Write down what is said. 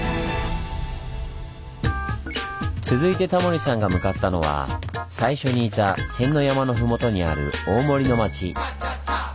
続いてタモリさんが向かったのは最初にいた仙ノ山のふもとにある大森の町。